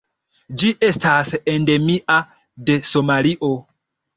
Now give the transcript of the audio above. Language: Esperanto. Ĝi estas endemia de Somalio.